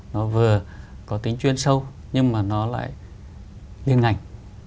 nó vừa có tính chuyên sâu nhưng mà nó lại liên ngành